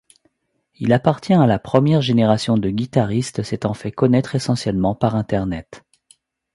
Il appartient à la première génération de guitariste s'étant fait connaitre essentiellement par internet.